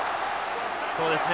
そうですね。